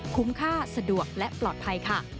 ค่าสะดวกและปลอดภัยค่ะ